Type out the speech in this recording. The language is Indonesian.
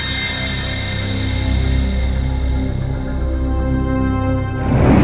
senikoh gusti dari pati